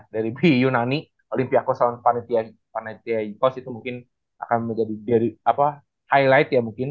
dari b i yunani olimpiakos sama panathiaikos itu mungkin akan menjadi highlight ya mungkin